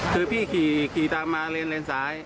คือพี่ขี่ตามมาเลนซ้าย